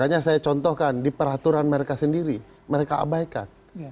makanya saya contohkan di peraturan mereka sendiri mereka abaikan